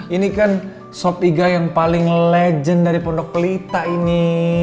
ini kan sop iga yang paling legend dari pondok pelita ini